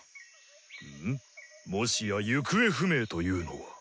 ムゥもしや行方不明というのは。